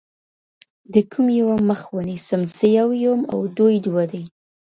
o د كوم يوه مخ ونيســــم زه يــــو يــــم او دوى دوه دي.